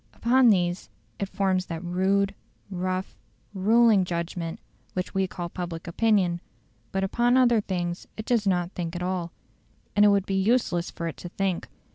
Upon these it forms that rude, rough, ruling judgment which we call public opinion; but upon other things it does not think at all, and it would be useless for it to think.